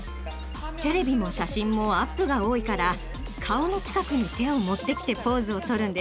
テレビも写真もアップが多いから顔の近くに手を持ってきてポーズをとるんです。